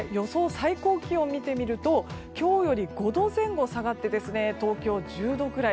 最高気温を見てみると今日より５度前後下がって東京、１０度くらい。